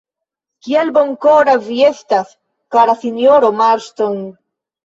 Kiel bonkora vi estas, kara sinjoro Marston!